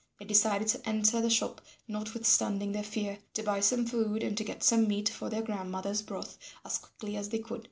They decided to enter the shop notwithstanding their fear, to buy some food, and to get meat for their grandmother's broth as quickly as they could.